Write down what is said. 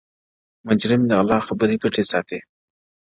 مجرم د غلا خبري پټي ساتي _